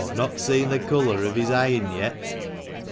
Aw've not seen the colour o' his eyen yet."